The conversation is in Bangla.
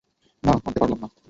না, মানতে পারলাম না!